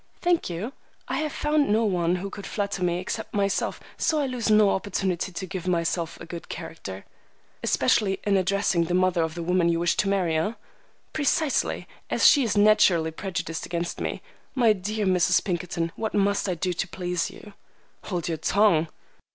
"Thank you. I have found no one who could flatter me except myself, so I lose no opportunity to give myself a good character." "Especially in addressing the mother of the woman you wish to marry, eh?" "Precisely, as she is naturally prejudiced against me. My dear Mrs. Pinkerton, what must I do to please you?" "Hold your tongue!"